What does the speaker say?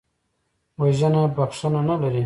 وژنه بښنه نه لري